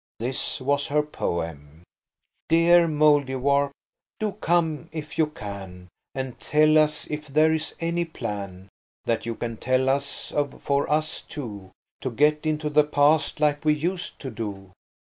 This was her poem– "Dear Mouldiwarp, do come if you can, And tell us if there is any plan That you can tell us of for us two To get into the past like we used to do.